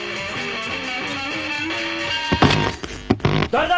誰だ！？